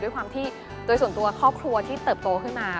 ด้วยความที่โดยส่วนตัวครอบครัวที่เติบโตขึ้นมา